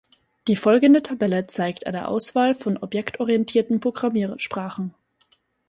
Die folgende Tabelle zeigt eine Auswahl von objektorientierten Programmiersprachen.